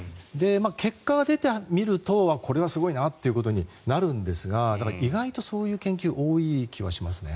結果が出てみるとこれはすごいなってことになるんですがだから、意外とそういう研究は多い気がしますね。